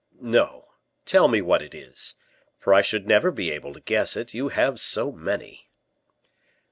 "No; tell me what it was, for I should never be able to guess it, you have so many."